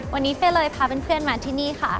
วันนี้เป้เลยพาเพื่อนมาที่นี่ค่ะ